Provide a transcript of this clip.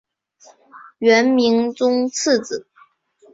元明宗次子。